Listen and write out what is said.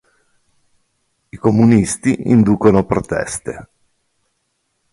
I comunisti inducono proteste.